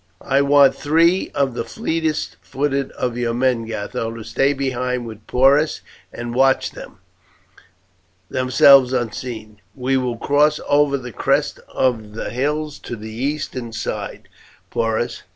"I want three of the fleetest footed of your men, Gatho, to stay behind with Porus and watch them, themselves unseen. We will cross over the crest of the hills to the eastern side, Porus.